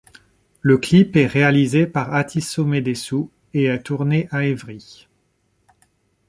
Le clip est réalisé par Atisso Medessou et est tourné à Evry.